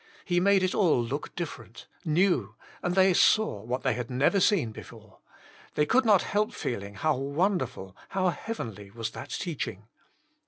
He made it all look diffeipent, — new, — and they saw what they had never seen before. They could not help feeling, 30 JtsuB Himself » 1)ow wonDertuU how heavenly was that teaching.